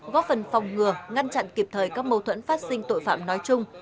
góp phần phòng ngừa ngăn chặn kịp thời các mâu thuẫn phát sinh tội phạm nói chung